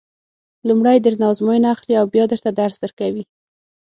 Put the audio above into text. لومړی درنه ازموینه اخلي بیا درته درس درکوي.